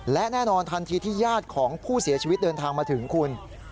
และแน่นอนทันทีที่ญาติของผู้เสียชีวิตเดินทางมาถึงคุณ